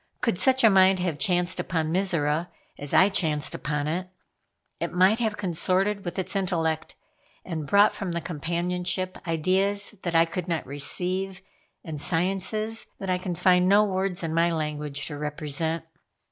Could such a mind have chanced upon Mizora, as I chanced upon it, it might have consorted with its intellect, and brought from the companionship ideas that I could not receive, and sciences that I can find no words in my language to represent.